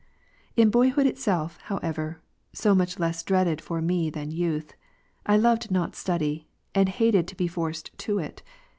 In boyhood itself, however, (so much less dreaded j for me than youth,) I loved not study, and hated to be forced to it.